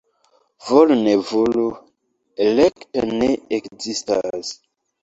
Volu-ne-volu, — elekto ne ekzistas.